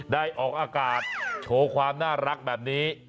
ออกอากาศโชว์ความน่ารักแบบนี้